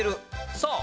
そう！